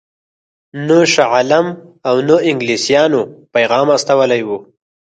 نه شاه عالم او نه انګلیسیانو پیغام استولی وو.